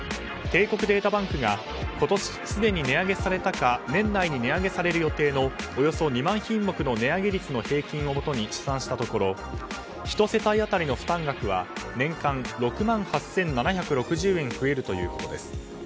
帝国データバンクが今年すでに値上げされたか年内に値上げする予定の２万品目の値上げ率の平均をもとに試算したところ１世帯当たりの負担額は年間６万８７６０円増えるということです。